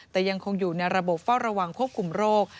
แต่ยังคงอยู่ในระบบเฝ้าระวังควบคุมโรค